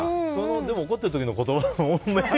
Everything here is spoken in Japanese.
でも怒っている時の言葉が。